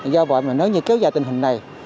do vậy nếu như kéo dài tình hình này